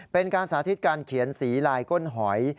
เป็นการสาธิตการเขียนสีลายก้นหอย